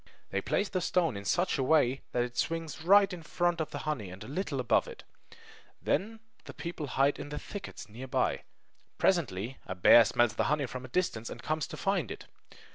They place the stone in such a way that it swings right in front of the honey and a little above it. Then the people hide in thickets near by. Presently a bear smells the honey from a distance, and comes to find it.